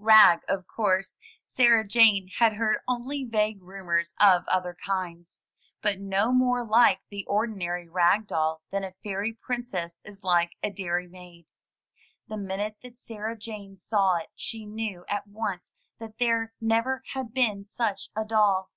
Rag, of course — Sarah Jane had heard only vague rumors of other kinds — but no more like the ordinary rag doll than a fairy princess is like a dairymaid. The minute that Sarah Jane saw it she knew at once that there never had been such a doll.